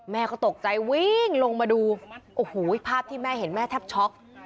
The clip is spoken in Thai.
แม่ก็ตกใจวิ่งลงมาดูโอ้โหภาพที่แม่เห็นแม่แทบช็อก